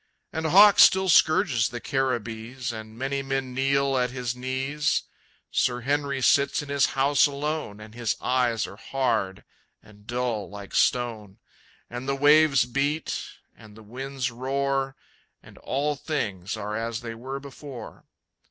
And Hawk still scourges the Caribbees, And many men kneel at his knees. Sir Henry sits in his house alone, And his eyes are hard and dull like stone. And the waves beat, and the winds roar, And all things are as they were before.